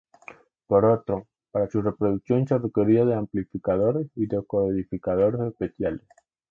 Por otro, para su reproducción se requería de amplificadores y decodificadores especiales.